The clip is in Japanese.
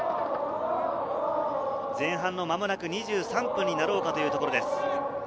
前半、まもなく２３分になろうかというところです。